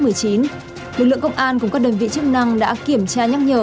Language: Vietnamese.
lực lượng công an cùng các đơn vị chức năng đã kiểm tra nhắc nhở